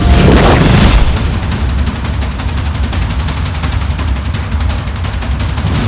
jajah jajah jajah